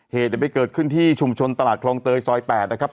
เหตุไปเกิดขึ้นที่ชุมชนตลาดคลองเตยซอย๘นะครับ